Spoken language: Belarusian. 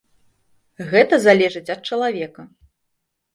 Гэта залежыць ад чалавека.